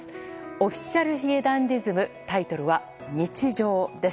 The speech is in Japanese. Ｏｆｆｉｃｉａｌ髭男ｄｉｓｍタイトルは「日常」です。